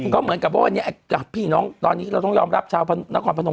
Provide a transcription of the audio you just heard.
ก็เหมือนว่านี้พี่น้องตอนนี้ไปรับชาวเข้าพระนม